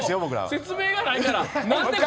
説明がないから。